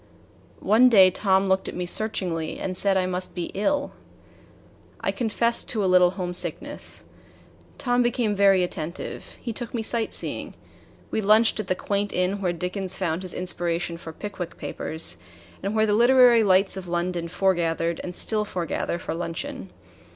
One day Tom looked at me searchingly, and said I must be ill. I confessed to a little homesickness. Tom became very attentive. He took me sightseeing. We lunched at the quaint inn where Dickens found his inspiration for "Pickwick Papers" and where the literary lights of London foregathered and still foregather for luncheon.